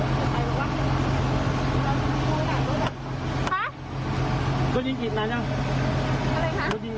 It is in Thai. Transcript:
ตัวจริงอีกนานเนี่ย